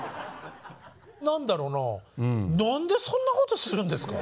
何だろうな何でそんなことするんですか？